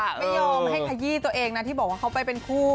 ไม่ยอมให้ขยี้ตัวเองนะที่บอกว่าเขาไปเป็นคู่